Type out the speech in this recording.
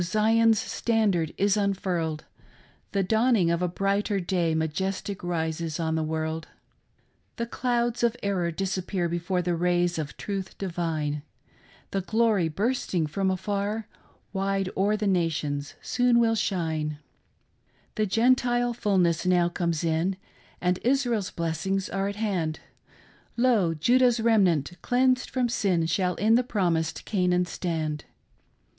Zion's standard is unfurled 1 The dawning of a brighter day Majestic rises on the worlds The clouds of error disappear Before the rays of truth divine ; The glory bursting from afar, Wide o'er the nations soon will shine t The Gentile fulness now comes in, And Israel's blessings are at hand ; Lo ! Judah's remnant, cleansed from sin, Shall in the promised Canaan stand.